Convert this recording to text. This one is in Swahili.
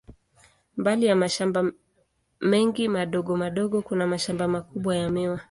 Mbali ya mashamba mengi madogo madogo, kuna mashamba makubwa ya miwa.